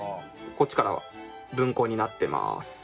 こっちからは文庫になってます。